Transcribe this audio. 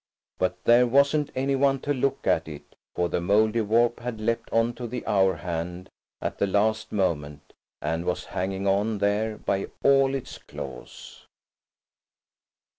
But there wasn't any one to look at it, for the Mouldiwarp had leapt on to the hour hand at the last moment, and was hanging on there by all its claws.